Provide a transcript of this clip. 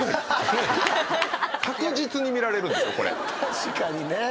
確かにね。